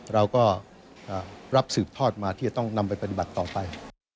เราก็รับสืบทอดมาที่จะต้องนำไปปฏิบัติต่อไป